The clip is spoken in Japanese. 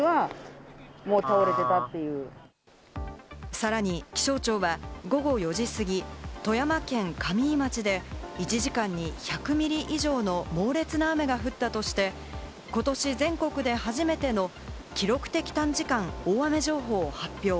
さらに気象庁は午後４時過ぎ、富山県上市町で１時間に１００ミリ以上の猛烈な雨が降ったとして、ことし全国で初めての記録的短時間大雨情報を発表。